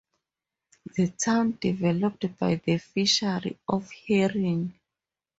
The town developed by the fishery of herring.